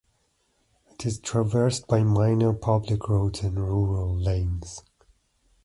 It is traversed by minor public roads and rural lanes.